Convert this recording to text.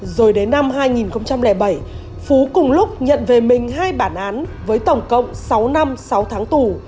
rồi đến năm hai nghìn bảy phú cùng lúc nhận về mình hai bản án với tổng cộng sáu năm sáu tháng tù